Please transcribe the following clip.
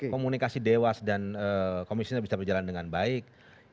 komunikasi dewas dan komisioner bisa berjalan dengan baik